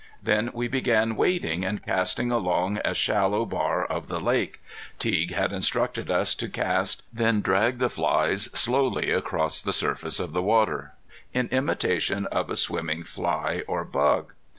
Then we began wading and casting along a shallow bar of the lake. Teague had instructed us to cast, then drag the flies slowly across the surface of the water, in imitation of a swimming fly or bug.